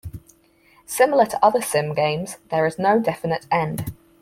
Similar to other Sim games, there is no definite end.